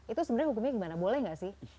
itu sebenarnya hukumnya gimana boleh nggak sih